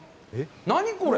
何これ！